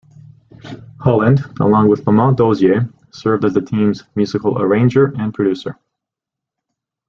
Holland, along with Lamont Dozier, served as the team's musical arranger and producer.